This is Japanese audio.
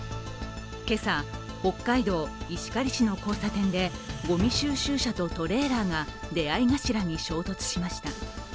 今朝、北海道石狩市の交差点でごみ収集車とトレーラーが出会い頭に衝突しました。